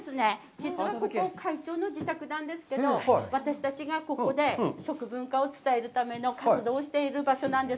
実はここ会長の自宅なんですけど、私たちがここで食文化を伝えるための活動をしている場所なんです。